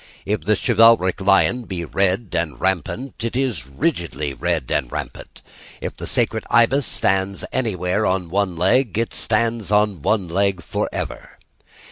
If the chivalric lion be red and rampant, it is rigidly red and rampant; if the sacred ibis stands anywhere on one leg, it stands on one leg for ever.